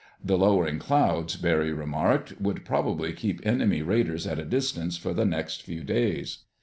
The lowering clouds, Barry remarked, would probably keep enemy raiders at a distance for the next few days.